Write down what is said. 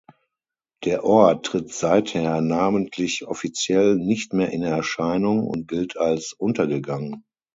Der Ort tritt seither namentlich offiziell nicht mehr in Erscheinung und gilt als untergegangen.